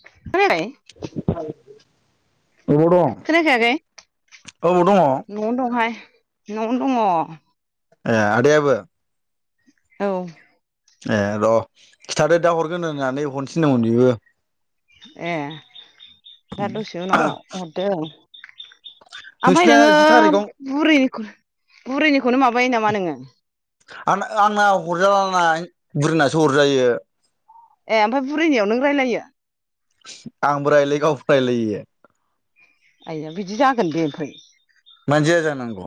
[unintelligible] अबाव दं? खोनायाखै आगै? औ दङ न'आवनो दंहाय न'आवनो दङ। ए आदायाबो? औ। ए र' खिथादो दा हरगोन होननानै हरनो थिनदोंमोन बेबो। ए दा दसे उनाव हरदो औ। ओमफ्राय नोंसिना नोङो जि थारिखआव बुरैनि बुरैनिखौनो माबायो नामा नोङो? आं आंना हरजालाना बुरिनासो हरजायो। ए ओमफाय बुरिनायाव नों रायलायो? आंबो रायलायो गावबो रायलायो। आइया बिदि जागोन बे ओमफाय? मानो जाया जानांगौ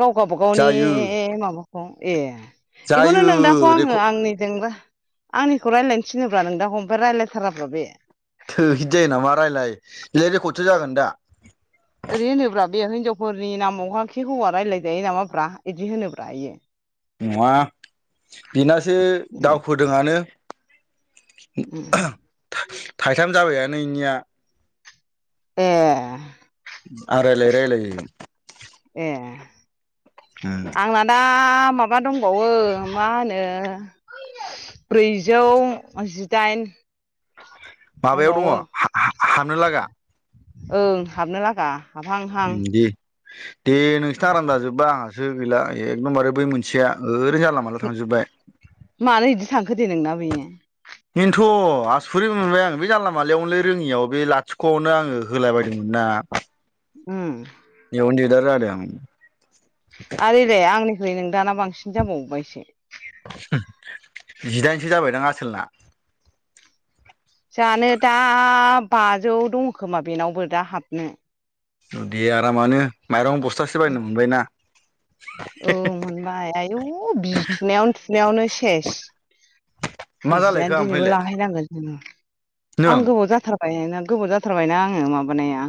गाव गाबागावनि जायो माबाखौ ए। एखौनो जायो नोंदाखौ आङो रेकर्ड आंनिजोंबो आंनिखौ रायलायनो थिनोब्रा नोंदाखौ ओमफ्राय रायलायथारा ब्रा बे। थोद इदि जायो नामा रायलाय बिलाय रेकर्डसो जागोन दा। ओरै होनो ब्रा बे हिनजावफोरनि नामावहा खि हौवा रायलायजायो नामा ब्रा बिदि होनोब्रा इयो। नङा बेनासो दावखोदोंआनो। [inaudible] थाइ-थाइथाम जाबायानो इनिया ए आं‌ रायलायै रायलायै। ए आंना दा आ माबा दंबावो मा होनो ब्रैजौ जि दाइन। माबायाव दङ हा-हा-हाबनो लागा? ओं हाबनो लागा हाबहांहां। दे दे नोंसोरना आराम जाजोब बा आंहासो गैला एखदमबारे बै मोनसेया ओरैनो जानला मानला थांजोबबाय। मानो इदि थांखो दे नोंना बेयो? बेनोथ' आसरिट मोनबाय आं बे जानला मोनलायावनोलै रोङियाव बे लाथिख'आवनो आङो होलाबायदोंमोन ना। उम। बेयावनो दिगदार जादों। आरो इलाय आंनिखुइ नोंदाना बांसिन जाबावबायसो। जिदाइनसो जाबायदां आसोलना? जानो दा बाजौ दं खोमा बेनावबो दा हाबनो। दे आरामानो माइरं बस्थासे बायनो मोनबायना। औ मोनबाय आयु बिजि थुनायावनो थुनायावनो सेस। मा जालायखो बिजियानो दिनैबो ओमफ्रायलाय लाहैनांगोनसोनो नों आं गोबाव जाथार बायना गोबाव जाथारबायना आङो माबानाया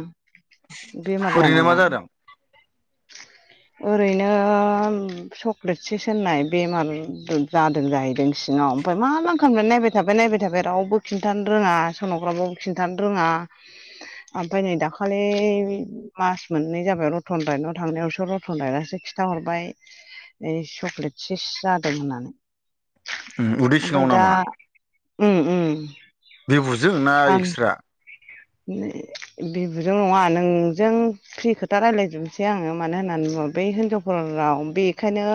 बेमार ओरैनो मा जानाया जादों ओरैनो चक्लेट सिस होननाय बेमार। जादों जाहैदों सिङाव ओमफ्राय मा मा खामनो नायबाय थाबाय नायबाय थाबाय रावबो खिन्थानो रोङा सन'ग्राबाव खिन्थानो रोङा आमफ्राय नै दाखालि मास मोननै जाबाय रतन - थांनायावसो रतन दानानैसो खिथाहरबाय। ओइ चक्लेट सेस जादों होननानै। उदै सिङाव आमफाय दा नामा ओ ओ। बेबुजों ना एक्सट्रा? बिबुजों नङा नोंजों। फ्रि खोथा रायलायजोबनोसै आङो मानो होननानै बै हिनजावफोरा बेखोनो।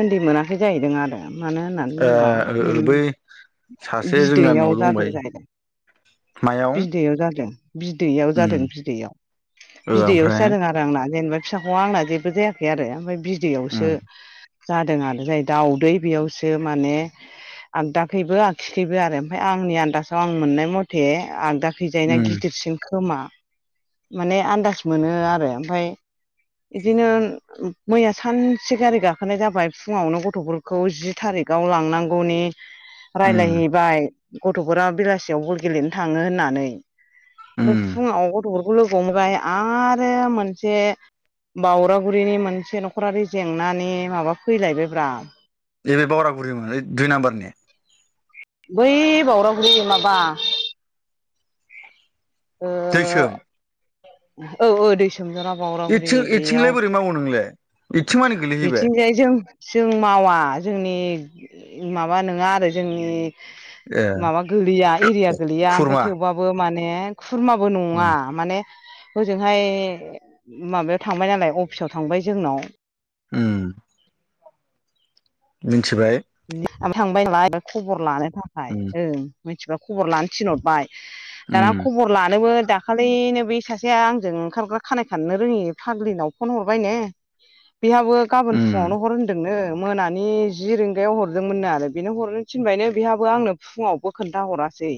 ओन्दै मोनाखै जायैदों आरो। मानो होननानै ओ बुङोबा ओ बै सासे जों बिदैयाव गामियाव जादों दंबाय जाहैदों। मायाव। दैयाव जादों बिदैयाव जादों बिदैयाव बिदैआवसो ओमफ्राय जादों आरो। आंना जेनेबा फिसाख'आ आंना जेबो जायाखै आरो आमफ्राय बिदैआवसो। जादों आरो जाय दाउदै बेयावसो माने। आगदाखैबो आगिखैबो आरो आमफाय आंनि आन्दासाव आं मोननाय मथे आगदा। फैजाय ना गिदिरसिन खोमा माने आन्दास मोनो आरो आमफाय। इदिनो। ओ मैया सानसे गारि गाखोनाय जाबाय फुङावनो गथ'फोरखौ जि थारिआव लांनांगौनि। रायलायहैबाय गथ'फोरा बेलासियावबो गेलेनो थाङो होननानै। बे फुङाव गथ'फोरखौ लोगो हमबाय आरो मोनसे। बावरागुरिनि मोनसे न'खरारि बे जेंनानि माबा फैलायबायब्रा। ए बे बावरागुरिमोन ओ दुइ नाम्बारनि? बै बावरागुरि माबा? ओ दैसोम औ औ दै सोमजोना बाव। एथिं एथिंलाय बोरै मावो नोंलाय इथिंमानि। बिथिंजाय जों जों मावा जोंनि माबा नङा आरो जोंनि। ए माबा गोलैया एरिया गोलैया आमफाय खुरमा थेवबाबो माने। खुरमाबो नङा उम माने। हजोंहाय माबायाव थांबाय नालाय अफिसाव थांबाय जोंनाव। ओ। दिनथिबाय। आं थांबाय नालाय खबर लानो थाखाय उम ओ मानथिफ्रा खबर लानो थिनहरबाय। दा उम ख। बर लानोबो दाखालिनो बे सासेया आंजों ओंखारग्रा खानाय खानो रोङि फाग्लिनाव फन हरबाय नो। [inaudible] बेआवबो गाबोन फुङावनो उम हर होनदोंनो मोनानि जि रिं। बेव हरदोंमोननो आरो बेनो हरनो थिनबायनो आंनो फुङावबो खोन्था हरासै।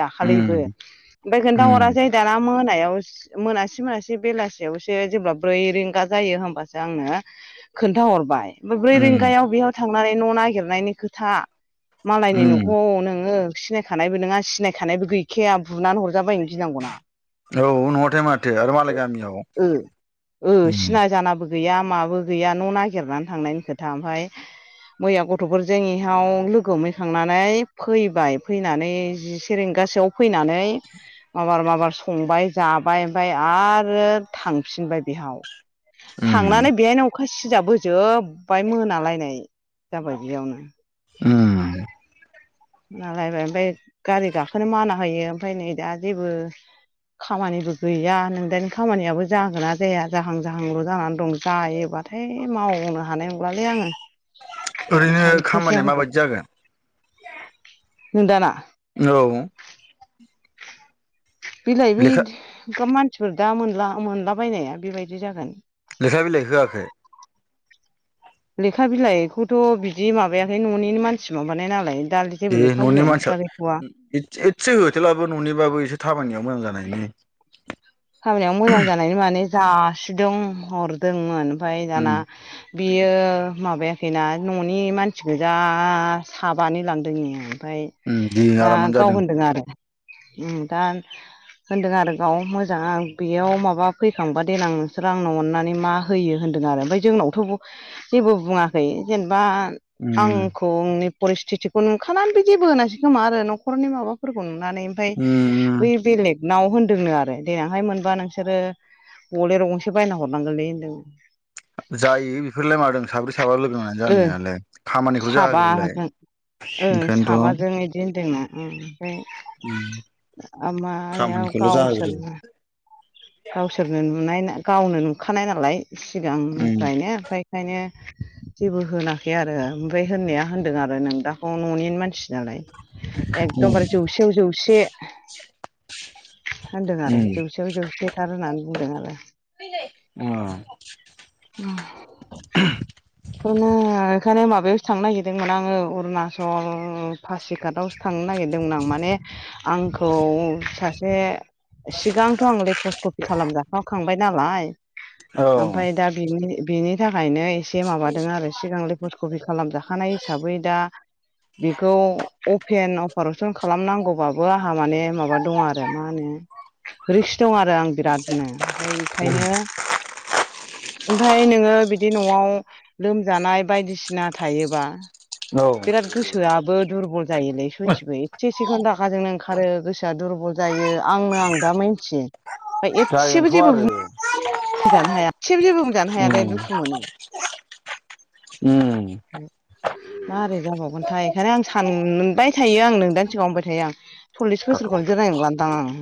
दाखालिबो उम आमफाय उम खोन्थाहरासै दाना मोनायाव जि। मोनासि मोनासि बेलासियावसो जेब्ला ब्रै रिंगा जायो होमबासो आंनो। खोन्थाहरबाय। ब्रै उम रिंगायाव बेयाव थांनानै न' नागिरनायनि खोथा मालायनि उम न'खौ नोङो। सिनायखानायबो नोङा सिनायखानायबो गैखाया बुनानै हरजाबाय नो गिनांगौना। औ नङाथाय माथो आरो मालाय गामियाव ओ ओ उम सिना जानाबो। गैया माबो गैया न' नागिरनानै थांनायनि खोथा आमफाय। मैया गथ'फोरजों इहाव लोगो हमहैखांनानै फैबाय फैनानै जिसे रिंगासोआव। फैनानै। माबार माबार संबाय जाबाय आमफाय आरो थांफिनबाय बेहाव। उम थांनानै बेहायनो अखा सिजाबोजोब्बाय मोनालायनाय। जाबाय बेयावनो। उम नालायबाय ओमफ्राय गारि गाखोनो माना होयो ओमफ्राय नै दा जेबो। खामानिबो गैया नोंदानि खामानियाबो जागोन ना जाया जाहां जाहांल' जानानै दं। जायोबाथाय मावनो हानाय नंलालै आङो ओरैनो ओंखारसैसो खामानिया आंबो। माबायदि जागोन निदाना। औ। बिलाइ बि लेखा [unintelligible] मानसिफोर दा मोनला मोनलाबायनाया बेबायदि जागोन। लेखा बिलाइ होआखै? लेखा बिलाइखौथ' बिदि माबायाखै न'निनो मानसि माबानाय नालाय दा। जेबो ए लेखा ननि बिलाइनि खोथा गैथ'वा मानसिया एसे होथेलाबो न'निबाबो एसे थाबायनायाव मोजां जानायनि। खामानियाव मोजां जानायनि माने जासिदों हरदोंमोन। ओमफाय उम दाना बियो माबाया। खैना न'नि मानसिगोजा साबानि लांदोंनो ओमफ्राय। उम दे दा आरामानो गाव जादों होनदों आरो उम दा होनदों आरो गाव मो दा बेयाव माबा फैखांबा देनां नोंसोर आंनो अननानै मा होयो होनदों आरो ओमफ्राय जोंनावथ'। जेबो बुङाखै जेनेबा उम आंखौ [unintelligible] परिस्थिथिखौ नुखानानैबो जेबो होनासै खोमा आरो न'खरनि माबाफोरखौ नुनानै। ओमफाय उम उम बै बेलेग नाव होन्दोंनो आरो। देनांहाय मोनबा नोंसोरो बलेर गंसे बायना हरनांगोनलै होनदों। जायो बेफोरलाय मादों साब्रै साब्र लोगो नांनानै ओ जानायालाय खामानिखौल' जाहोग्रोलाय। साबाजों ओं ओंखायनोथ' साबाजों इदि होन्दोंनो अम ओमफाय। आमा [unintelligible] खामानिखौल' जाहोग्रो गावसोरनो। गावसोरनो नुनाय गावनो नुखानाय नालाय उम सिगांनिफ्रायनो ओमफ्राय। ओंखायनो जेबो होनाखै आरो ओमफ्राय होननाया होनदों आरो नोंदाखौ न'नि मानसि नालाय। उम एकदमबारे जौसेयाव जौसे होनदों आरो। उम जौसेयाव जौसे थार होननानै बुंदों आरो। [unintelligible] [unintelligible] बेफोरनो बेखायनो माबायावसो थांनो नागिरदोंमोन आङो अरुणाचल पासिघाटआव नागिरदोंमोन आं माने आंखौ सासे। सिगांथ' आं लेपसकफि खालामजाखाखांबाय नालाय औ ओमफाय दा। बिनि बेनि थाखायनो एसे माबादों आरो सिगां लेफस कबि खालामजाखानाय हिसाबै दा। बेखौ अपेन अपारशन खालामनांगौबाबो आंहा माने माबा दं आरो मा होनो? रिक्स दं आरो आं बिरादनो ओमफ्राय। ओंखायनो ओमफाय नोङो बिदि न'आव। लोमजानाय बायदिसिना थायो बा। औ। गोसोआबो दुरबल जायोलै सयथिबो एसे एसेखोनो रागा जोंनो ओंखारो गोसोआ दुरबल। जायो आंनो आं दा मिथियो ओमफाय एसेबो जागोनथ' जेबो आरो बुं बुंजानो हाया ए जेबो बुंजानो हाया दे उम दुखु मोनो। उम मारोरै जाबावगोनथाय बेखायनो आं सान मोनबाय थायो आं नोंदानि सिगां होनबाय थायो आं। सल्लिस बोसोरखौनो जोनाय नंलादां आं।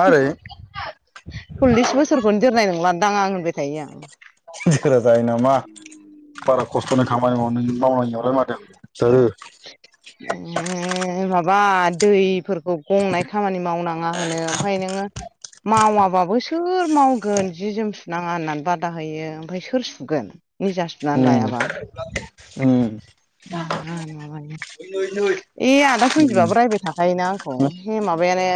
मारै। सल्लिस बोसोरखौनो जोरनाय नंला दांआं होनबाय थायो आं। जखा जायो नामा बारा खस्थ'नो खामानि माव मावनाय। मादों जोरो। [unintelligible] उम माबा दैफोरखौ गंनाय खामानि मावनाङा होनो ओमफाय नोङो। मावाबाबो सोर मावगोन जि जोम सुनाङा होननानै बादा होयो ओमफ्राय सोर सुगोन। निजा सुनानै उम लायाबा। उम। [unintelligible] नै नै। ए आदा सनजिबआबो रायबाय थाखायोना आंखौ हे माबायानो।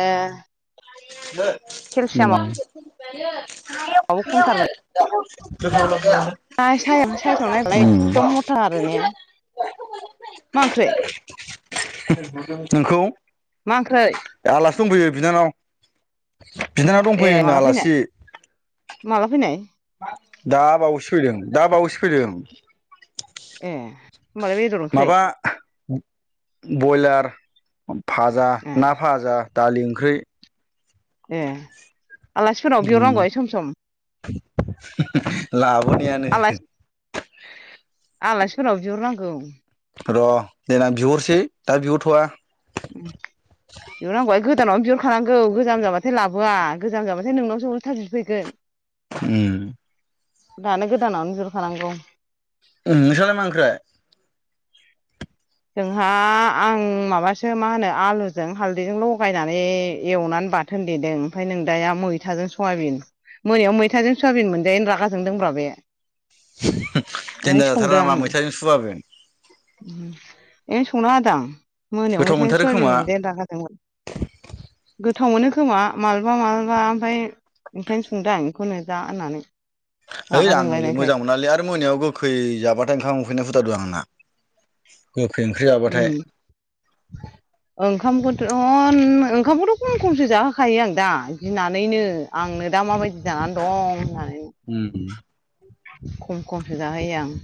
[unintelligible] दाबो खमथारमोन। [unintelligible] [unintelligible] दा सा साइसआव नायबालाय उम एखदम मथा आरो ने मा ओंख्रै। नोंखौ। मा ओंख्रै। आलासि दंफैयो बिनानाव। बिनानाव ए दंफैयो होनदों माला फैनाय आलासि। माला फैनाय दा बावैसो फैदों दा बावैसो फैदों। ए। होमबालाय बेदर ओंख्रि माबा बयलार भाजा ए ना भाजा। दालि ओंख्रै। ए आलासिफोरनाव बिहरनांगौहाय सम सम। लाबोनायानो। आलासि आलासिफोरनाव बिहरनांगौ। र' देनां बिहरसै दा बिहरथ'आ। उम बिहरनांगौहाय गोदानावनो बिहरखानांगौ गोजाम जाबाथाय लाबोआ गोजाम जाबाथाय। नोंनावसो उल्था बिफैगोन। उम। दानो गोदानावनो बिहरखानांगौ। उम नोंसालाय मा ओंख्रै। जोंहा आं माबासो मा होनो आलुजों हालदैजों लगायनानै एवनानै बा थोनदेदों ओमफ्राय नों दाया मैथाजों सयाबिन। मोनायाव मैथाजों सवाबिन मोनजायैनि रागाजोंदों ब्रा बे। ओंखाय देनजार जाथारा संदों नामा आंङो। मैथाजों सुबाबो ए संना होदों आं मोनायाव गोथाव मैथाजों मोनथारो सयाबिन खोमा मोनजायैनि रागा। गोथाव मोनो खोमा मालाबा मालाबा ओमफाय। ओंखायनो संदों आं बेखौनो जा होननानै। ओइ रागा आं हलै जोंलायनायखाय मोजां मोनालै आरो मोनायाव गोखै जाबाथाय ओंखाम उखैनाय फुथारदों आंना। गोखै ओंख्रि जाबाथाय। ओंखामखौनोथ' ओंखामखौथ' खम खमसो जाहोखायो आं दा गिनानैनो। आंनो दा माबायदि जानानै दं होननानै। [unintelligible] खम खमसो जाहोयो आं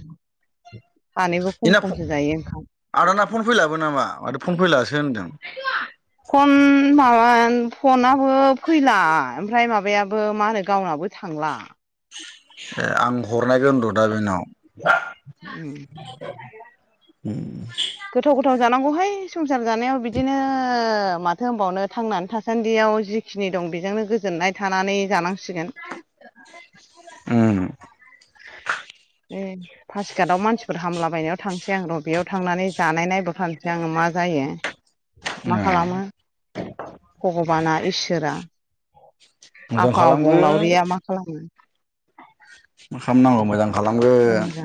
सानैबो इना खम खमसो जायो ओंखाम। आदाना फन फैलाबो नामा माथो फन फैलासो होनदों। फन माबा फनाबो फैला ओमफ्राय माबायाबो मा होनो गावनाबो थांला। ए आं हरनायगोनर' दा बेनाव [unintelligible] [inaudible] गोथाव गोथाव जानांगौहाय संसार जानायाव बिदिनो माथो होनबावनो थांनानै थासान्दियाव जि खिनि दं बेजोंनो गोजोननाय थानानै जानांसिगोन। उ [unintelligible] पासिकाटआव मानसिफोर हामलाबायनायाव थांसै आं र' बेयाव थांनानै जानाय नायबो थसै आङो मा जायो। मा ए खालामो? भगबाना इसोरा। मोजां खालामगोन आफाबंलावरिया मा खालामो? म खालामनांगौ मोजां उ द [inaudible]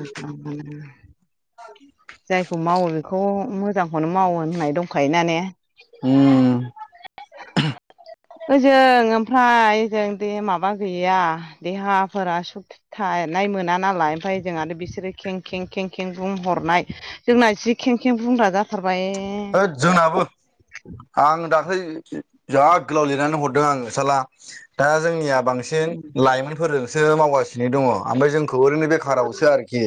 औ [inaudible] जायखौ मावो बेखौ मोजांखौनो मावो होननाय दंखायो ना ने? [unintelligible] ओजों ओमफ्राय ओजों दे माबा गैया देहाफोरा सख थानाय मोना नालाय ओमफफ्राय जोंह आरो बिसोरो खें खें खें खें बुं हरनाय जोंना जि खें खें बुंग्रा जाथारबाय। होद जोंनाबो। आं दाख्लै जाहा गोलाव लिरनानै हरदों आं नसाला दा जोंनिया बांसिन बांसिन लाइमोनफोरजोंसो मावगासिनो दङ ओमफ्राय जोंखौ ओरैनो बेखारावसो आरोखि।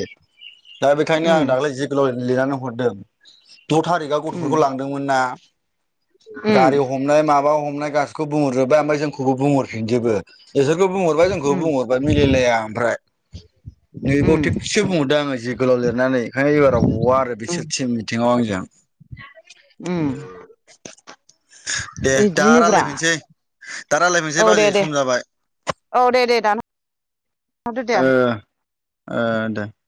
दा बेखायनो आं उम दाख्लै जे गोलाव लिरनानै हरदों द' थारिकआव उम गथ'फोरखौ लांदों। [unintelligible] हमनाय उम माबा हमनाय गासिखौ बुंहरजोबा ओमफ्राय जोंखौबो बुंहरफिनजोबो। बिसोरखौ बुंहरबाय जोंखौ उम बुंहरबाय मिलायलाया ओमफ्राय। उम नैबाव [unintelligible] दा आङो जे गोलाव लिरनानै ओंखायनो एबाराव गवा आरो उम बिसोर टिम मिथिङाव आंजों। उम [inaudible] दे दा इदिनोब्रा रायज्लायफिनसै दा राय्लायफिनोसै औ दे बाजै दे सम जाबाय। औ दे दे दाना ओ ओ [unintelligible]